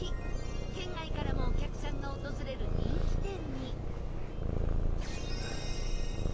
県外からもお客さんが訪れる人気店に